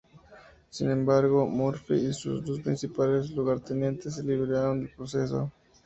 Sin embargo, Murphy y sus dos principales lugartenientes se libraron del proceso.